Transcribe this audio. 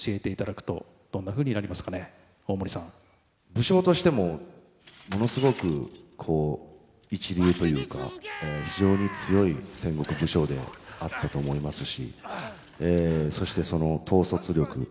武将としてもものすごく一流というか非常に強い戦国武将であったと思いますしそしてその統率力。